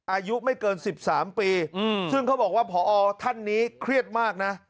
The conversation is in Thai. อายุไม่เกิน๑๓ปีซึ่งเขาบอกว่าพอท่านนี้เครียดมากนะ